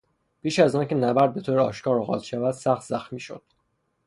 پیش از آنکه نبرد به طور آشکار آغاز شود سخت زخمی شد.